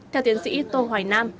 theo tiến sĩ tô hoài nam